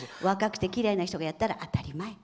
若くてきれいな人がやったら当たり前。